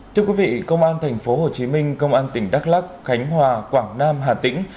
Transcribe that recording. thưa quý vị công an tp hcm công an tỉnh đắk lắc khánh hòa quảng nam hà tĩnh